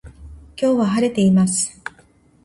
今日は晴れています